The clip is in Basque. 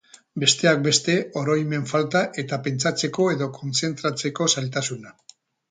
Besteak beste, oroimen falta eta pentsatzeko edo kontzentratzeko zailtasuna.